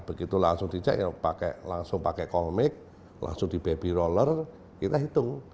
begitu langsung dicek ya langsung pakai komik langsung di baby roller kita hitung